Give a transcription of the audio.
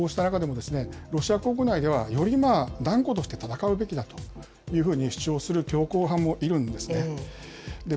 こうした中でもロシア国内ではより断固として戦うべきだというふうに主張する強硬派もいるんですね。